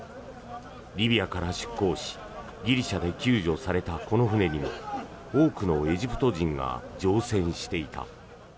リビアから出航しギリシャで救助されたこの船には多くのエジプト人が乗船していた。